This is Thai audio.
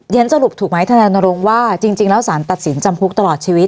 เรียนจริงจริงถูกไหมทนาลงว่าจริงจริงแล้วสารตัดสินจำพลุกตลอดชีวิต